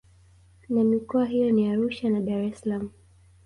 Na mikoa hiyo ni Arusha na Dar es salaam